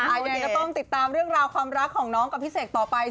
ยังไงก็ต้องติดตามเรื่องราวความรักของน้องกับพี่เสกต่อไป